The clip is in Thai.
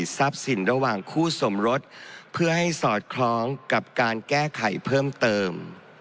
ทรัพย์สินระหว่างคู่สมรสเพื่อให้สอดคล้องกับการแก้ไขเพิ่มเติม